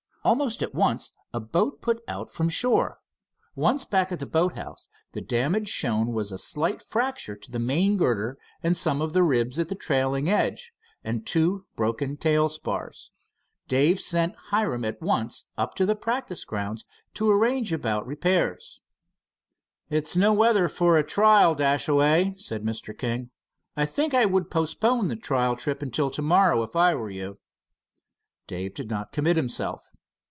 Almost at once a boat put out from shore. Once back at the boat house, the damage shown was a slight fracture to the main girder and some of the ribs at the trailing edge, and two broken tail spars. Dave sent Hiram at once to the practice grounds to arrange about the repairs. "It's no weather for a trial, Dashaway," said Mr. King, "I think I would postpone the trial trip until tomorrow, if I were you." Dave did not commit himself.